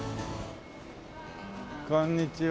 こんにちは。